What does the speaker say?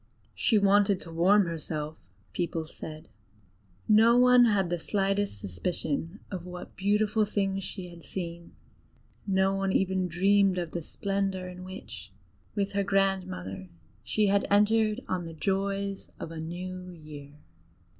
"She wanted to warm herself," people said: no one had the slightest suspicion of what beautiful things she had seen; no one even dreamed of the splendor in which, with her grandmother she had entered on the joys of a new year.